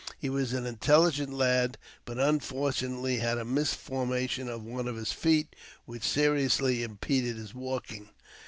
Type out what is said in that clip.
He was an intelligent lad, but, unfortunately, had a malformation of one of his feet, which seriously impeded his walking.